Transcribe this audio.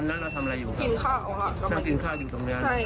แล้วทีที่สองเขามาตีอีกแล้ว